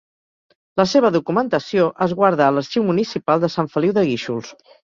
La seva documentació es guarda a l'arxiu municipal de Sant Feliu de Guíxols.